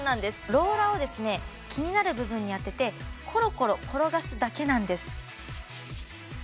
ローラーを気になる部分に当ててコロコロ転がすだけなんです